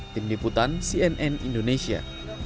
tim diputan cnn indonesia